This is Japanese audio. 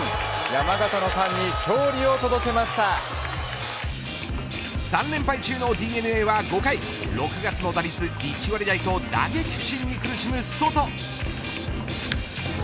山形のファンに３連敗中のＤｅＮＡは５回６月の打率１割台と打撃不振に苦しむソト。